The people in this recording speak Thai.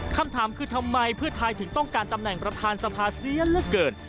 คำถามคือทำไมเพื่อไทยถึงต้องการตำแหน่งประธานสภาเสียเหลือเกิน